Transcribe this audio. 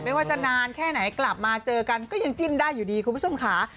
ไม่ว่าจะนานแค่ไหนกลับมาเจอกันก็ยังจิ้นได้อยู่ดีคุณผู้ชมค่ะ